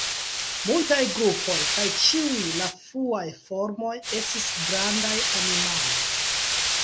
Multaj grupoj, kaj ĉiuj la fruaj formoj, estis grandaj animaloj.